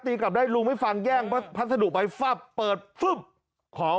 ตีกลับได้ลุงไม่ฟังแย่งพัสดุของ